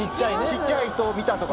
ちっちゃい人を見たとか。